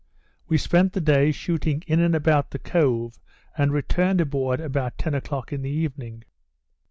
We spent the day shooting in and about the cove, and returned aboard about ten o'clock in the evening.